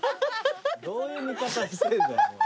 どういう寝方してんだよ。